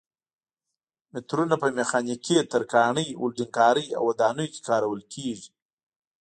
مترونه په میخانیکي، ترکاڼۍ، ولډنګ کارۍ او ودانیو کې کارول کېږي.